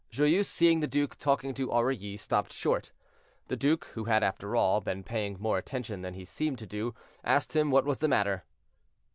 Joyeuse, seeing the duke talking to Aurilly, stopped short. The duke, who had, after all, been paying more attention than he seemed to do, asked him what was the matter.